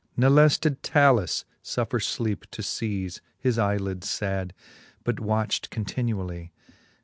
Ne leiTe did Talus fuffer fleepe to feaze His eye lids fad, but watcht continually.